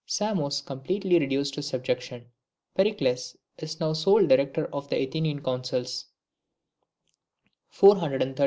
Samos completely reduced to subjection. Pericles is now sole director of the Athenian councils.